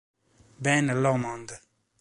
Ben Lomond